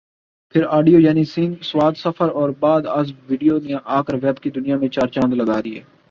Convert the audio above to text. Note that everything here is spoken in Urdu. پھر آڈیو یعنی ص سفر اور بعد آز ویڈیو نے آکر ویب کی دنیا میں چارہ چاند لگا د